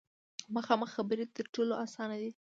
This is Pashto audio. مخامخ خبرې تر ټولو اسانه دي.